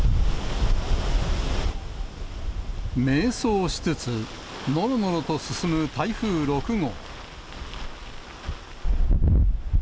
迷走しつつ、のろのろと進む台風６号。